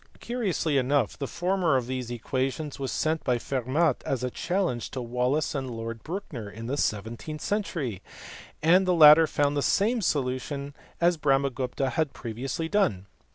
Curiously enough the former of these equations was sent by Fermat as a challenge to Wallis and Lord Brouncker in the seventeenth century, and the latter found the same solutions as Brahmagupta had previously done.